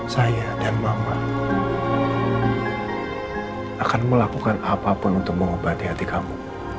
saya dan mama akan melakukan apapun untuk mengobati hati kamu